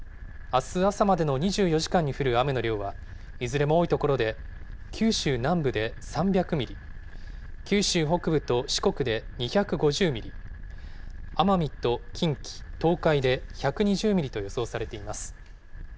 あす朝までの２４時間に降る雨の量は、いずれも多い所で九州南部で３００ミリ、九州北部と四国で２５０ミリ、奄美と近畿、東海で１２０ミリと予想されています。